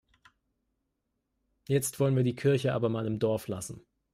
Jetzt wollen wir die Kirche aber mal im Dorf lassen.